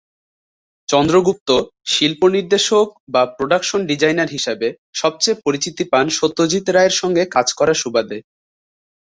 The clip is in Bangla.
চন্দ্রগুপ্ত শিল্প নির্দেশক/ প্রোডাকশন ডিজাইনার হিসাবে সবচেয়ে পরিচিতি পান সত্যজিৎ রায়ের সঙ্গে কাজ করার সুবাদে।